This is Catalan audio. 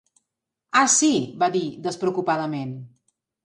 "Ah, sí", va dir despreocupadament.